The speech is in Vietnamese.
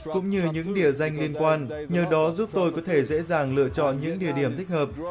cũng như những địa danh liên quan nhờ đó giúp tôi có thể dễ dàng lựa chọn những địa điểm thích hợp